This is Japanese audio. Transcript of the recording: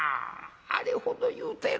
「あれほど言うたやろ。